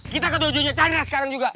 kita kedujunya chandra sekarang juga